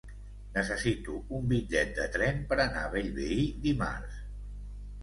Necessito un bitllet de tren per anar a Bellvei dimarts.